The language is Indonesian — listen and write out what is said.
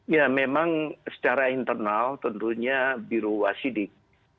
ya memang secara internal tentunya biru wasidik